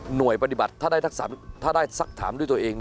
หน่วยปฏิบัติถ้าได้สักถามด้วยตัวเอง